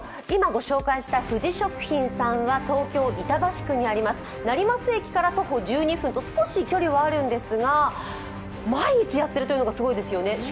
今、ご紹介した富士食品さんは東京・板橋区にあります、成増駅から徒歩１２分と少し距離はあるんですが、毎日やっているというのがすごいですよね。